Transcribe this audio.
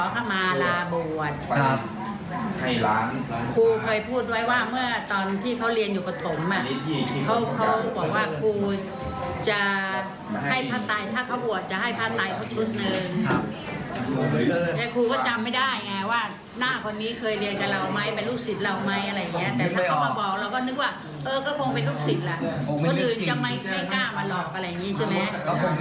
คงจะเป็นเรื่องจริง